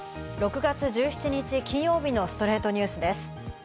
６月１７日、金曜日の『ストレイトニュース』です。